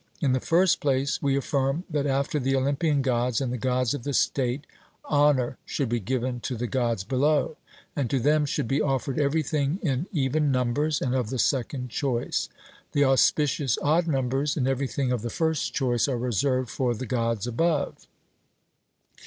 In the first place we affirm, that after the Olympian Gods and the Gods of the state, honour should be given to the Gods below, and to them should be offered everything in even numbers and of the second choice; the auspicious odd numbers and everything of the first choice are reserved for the Gods above.